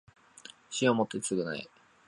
死をもって償え